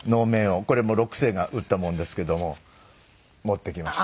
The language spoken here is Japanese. これも六世が打ったものですけども持ってきました。